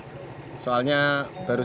tapi diantarin sama pacar saya